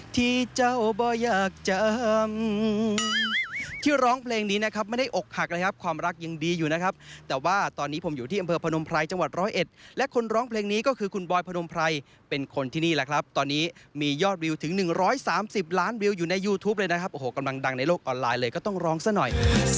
ที่เจ้าบ่อยากจะเอิมที่ร้องเพลงนี้นะครับไม่ได้อกหักเลยครับความรักยังดีอยู่นะครับแต่ว่าตอนนี้ผมอยู่ที่อำเภอพนมไพรจังหวัดร้อยเอ็ดและคนร้องเพลงนี้ก็คือคุณบอยพนมไพรเป็นคนที่นี่แหละครับตอนนี้มียอดวิวถึง๑๓๐ล้านวิวอยู่ในยูทูปเลยนะครับโอ้โหกำลังดังในโลกออนไลน์เลยก็ต้องร้องซะหน่อย